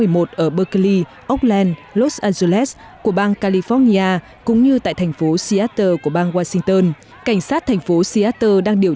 mời quý vị đến với những tin tức quốc tế